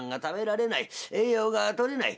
栄養がとれない。